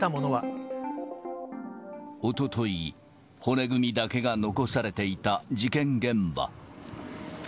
おととい、骨組みだけが残されていた事件現場。